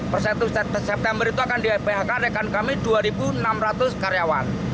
per satu september itu akan di phk rekan kami dua enam ratus karyawan